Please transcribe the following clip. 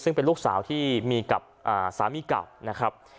ซึ่งเป็นลูกสาวที่มีกับสามีเก่านะครับ